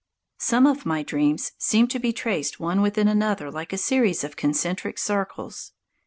Some of my dreams seem to be traced one within another like a series of concentric circles.